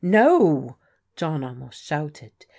"No," John almost shouted.